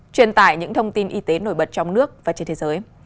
truyền tải những thông tin y tế nổi bật trong nước và trên thế giới